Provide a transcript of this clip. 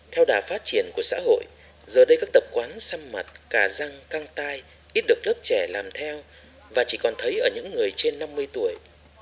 theo đà phát triển của xã hội giờ đây các tập quán xăm mặt cà răng căng tay ít được lớp trẻ làm theo và chỉ còn thấy ở những người trên năm mươi tuổi